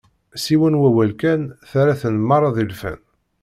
S yiwen wawal kan, terra-ten merra d ilfan.